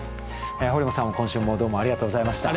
堀本さんも今週もどうもありがとうございました。